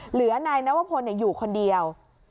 เหลือนายนวพลอยู่คนเดียว